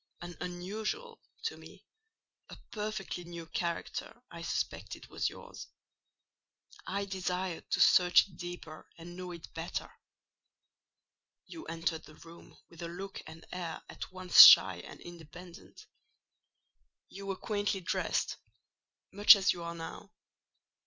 An unusual—to me—a perfectly new character I suspected was yours: I desired to search it deeper and know it better. You entered the room with a look and air at once shy and independent: you were quaintly dressed—much as you are now.